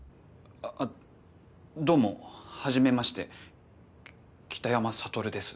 ああっどうも初めまして北山悟です。